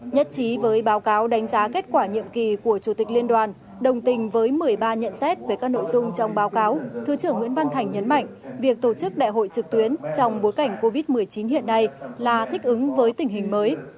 nhất trí với báo cáo đánh giá kết quả nhiệm kỳ của chủ tịch liên đoàn đồng tình với một mươi ba nhận xét về các nội dung trong báo cáo thứ trưởng nguyễn văn thành nhấn mạnh việc tổ chức đại hội trực tuyến trong bối cảnh covid một mươi chín hiện nay là thích ứng với tình hình mới